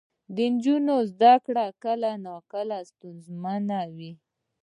د نجونو زده کړه کله ناکله ستونزمنه وي.